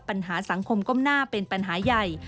ปัญหาสังคมก้มหน้าเป็นปัญหาใหญ่